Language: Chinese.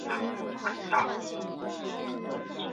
也有人种来观赏。